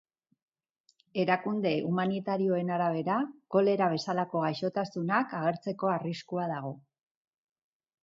Erakunde humanitarioen arabera, kolera bezalako gaixotasunak agertzeko arriskua dago.